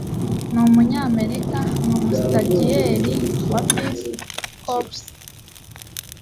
Ni umunyamerika ni umusitagiyeri wa Peace Corps